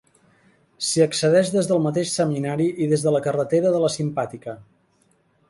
S'hi accedeix des del mateix seminari i des de la carretera de la Simpàtica.